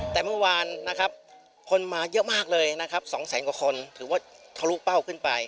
แต่เมื่อวานคนมาเยอะมากเลย๒แสนกว่าคนถือว่าบรรลุเป้าขึ้นไป